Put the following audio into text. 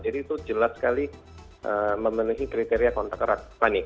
jadi itu jelas sekali memenuhi kriteria kontak kerap